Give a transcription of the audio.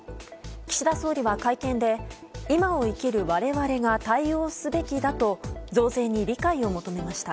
岸田総理は会見で今を生きる我々が対応すべきだと増税に理解を求めました。